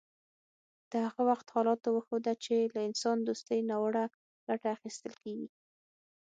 د هغه وخت حالاتو وښوده چې له انسان دوستۍ ناوړه ګټه اخیستل کیږي